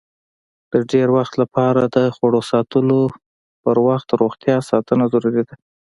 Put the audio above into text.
د ډېر وخت لپاره د خوړو ساتلو په وخت روغتیا ساتنه ضروري ده.